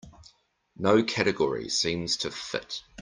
No category seems to fit.